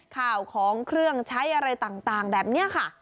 ข่าวของเครื่องใช้อะไรต่างแบบนี้ค่ะ